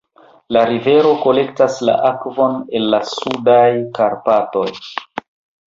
La rivero kolektas la akvon el la Sudaj Karpatoj.